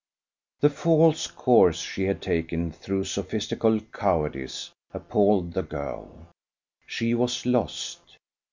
The false course she had taken through sophistical cowardice appalled the girl; she was lost.